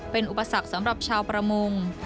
เป็นอุปสรรคสำหรับชาวประมง